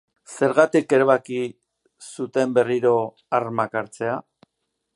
Zergatik erabaki zuten berriro armak hartzea?